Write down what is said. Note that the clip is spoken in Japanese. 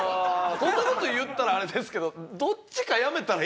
こんな事言ったらあれですけど。